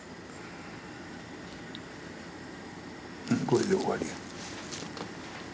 これで終わりや。